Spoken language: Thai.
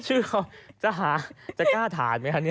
ชื่อเขาจะหาจะกล้าทานไหมคะนี่